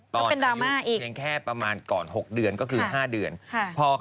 ตอนอายุเฉียงแค่ประมาณก่อน๖เดือนก็คือ๕เดือนก็เป็นดราม่าอีก